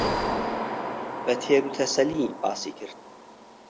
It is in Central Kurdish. بە تێروتەسەلی باسی کرد